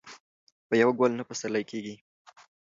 په یو ګل نه پسرلې کیږي.